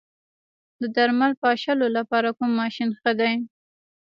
د درمل پاشلو لپاره کوم ماشین ښه دی؟